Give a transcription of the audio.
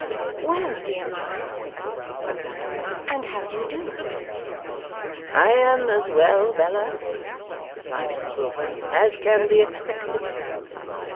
'Well, dear Ma,' said Bella, 'and how do you do?' 'I am as well, Bella,' replied Mrs Wilfer, 'as can be expected.